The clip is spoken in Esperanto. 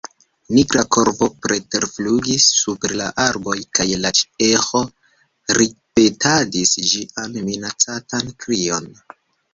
Nigra korvo preterflugis super la arboj, kaj la eĥo ripetadis ĝian minacantan krion.